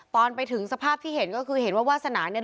ตอนไปถึงสภาพที่เห็นก็คือเห็นว่าวาสนาเนี่ย